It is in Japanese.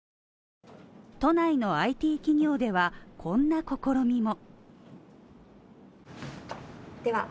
都内のＩＴ企業ではこんな試みも。